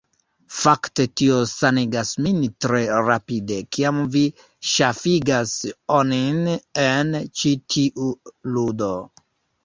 Fakte tio sanigas min tre rapide kiam vi ŝafigas onin en ĉi tiu ludo.